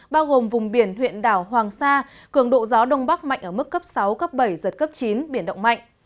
bao gồm vùng biển huyện đảo hoàng sa cường độ gió đông bắc mạnh ở mức cấp sáu cấp bảy giật cấp chín biển động mạnh